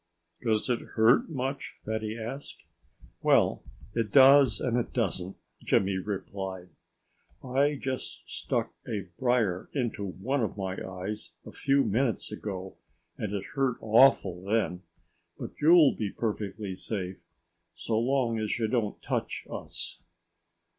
"Does it hurt much?" Fatty asked. "Well it does and it doesn't," Jimmy replied. "I just stuck a brier into one of my eyes a few minutes ago and it hurt awful, then. But you'll be perfectly safe, so long as you don't touch us."